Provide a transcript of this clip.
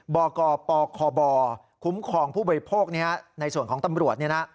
บกปคบคุ้มครองผู้บริโภคนี้ในส่วนของตำรวจ